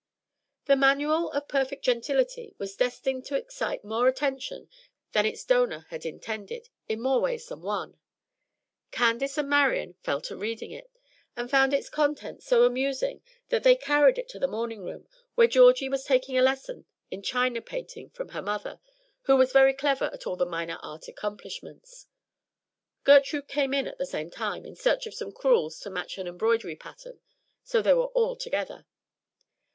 The "Manual of Perfect Gentility" was destined to excite more attention than its donor had intended, in more ways than one. Candace and Marian fell to reading it, and found its contents so amusing that they carried it to the morning room, where Georgie was taking a lesson in china painting from her mother, who was very clever at all the minor art accomplishments. Gertrude came in at the same time, in search of some crewels to match an embroidery pattern; so they were all together.